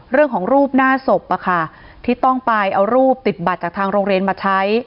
เรื่องของรูปหน้าศพอ่ะค่ะที่ต้องไปเอารูปติดบัตรจากทางโรงเรียนมาใช้